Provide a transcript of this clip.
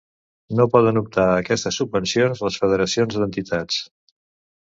No poden optar a aquestes subvencions les federacions d'entitats.